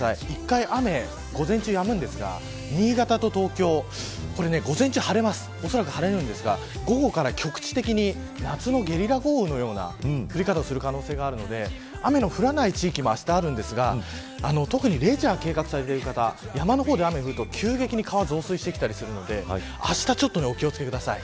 一度、雨が午前中にやみますが新潟と東京午前中、おそらく晴れますが午後から局地的に夏のゲリラ豪雨のような降り方をする可能性があるので雨の降らない地域もあしたあるんですが特にレジャーを計画されている方山の方で雨が降ると急激に川が増水したりするんであしたはちょっとお気を付けください。